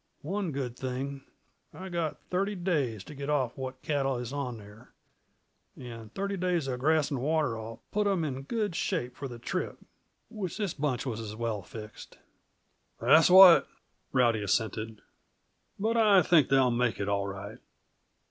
One good thing I got thirty days t' get off what cattle is on there; and thirty days uh grass and water'll put 'em in good shape for the trip. Wish this bunch was as well fixed." "That's what," Rowdy assented. "But I think they'll make it, all right."